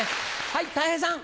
はいたい平さん。